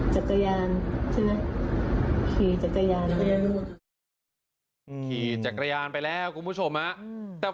จักรยานใช่ไหมขี่จักรยานขี่จักรยานไปแล้วคุณผู้ชมฮะอืมแต่